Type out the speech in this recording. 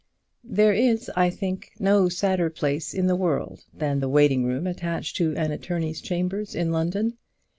There is, I think, no sadder place in the world than the waiting room attached to an attorney's chambers in London.